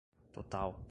total